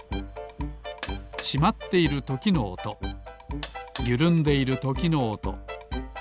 しまっているときのおとゆるんでいるときのおとコンコン。